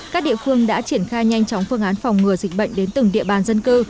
các địa phương đã triển khai nhanh chóng phương án phòng ngừa dịch bệnh đến từng địa bàn dân cư